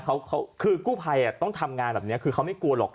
เขาคือกู้ภัยต้องทำงานแบบนี้คือเขาไม่กลัวหรอก